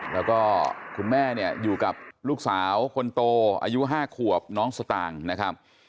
แล้วก็คุณแม่เนี่ยอยู่กับลูกสาวคนโตอายุ๕ขวบน้องสตางค์นะครับ